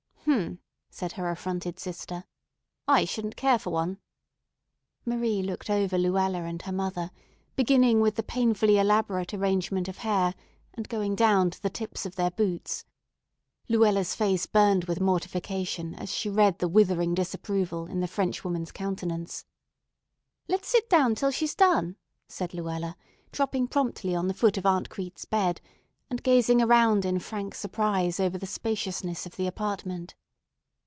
"H'm!" said her affronted sister. "I shouldn't care for one." Marie looked over Luella and her mother, beginning with the painfully elaborate arrangement of hair, and going down to the tips of their boots. Luella's face burned with mortification as she read the withering disapproval in the French woman's countenance. "Let's sit down till she's done," said Luella, dropping promptly on the foot of Aunt Crete's bed and gazing around in frank surprise over the spaciousness of the apartment.